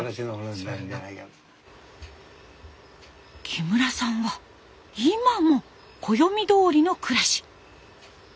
木村さんは今も暦どおりの暮らし。